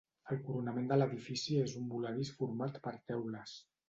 El coronament de l'edifici és un voladís format per teules.